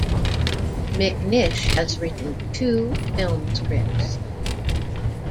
McNish has written two film scripts.